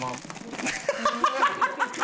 ハハハハ！